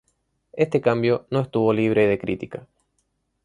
Este cambio no estuvo libre de crítica.